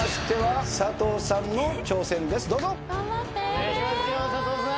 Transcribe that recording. お願いしますさとうさん！